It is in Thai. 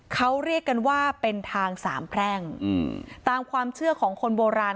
เขาเรียกกันว่าเป็นทางสามแพร่งอืมตามความเชื่อของคนโบราณ